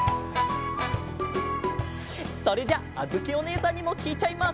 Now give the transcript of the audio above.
それじゃああづきおねえさんにもきいちゃいます。